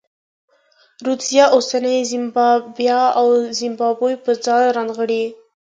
رودزیا اوسنۍ زیمبیا او زیمبابوې په ځان کې رانغاړي.